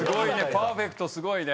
パーフェクトすごいね。